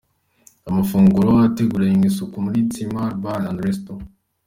Amafunguro ateguranywe isuku muri Tizama Bar & Resto.